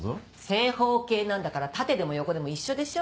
正方形なんだから縦でも横でも一緒でしょ。